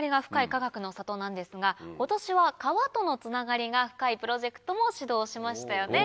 かがくの里なんですが今年は川とのつながりが深いプロジェクトも始動しましたよね。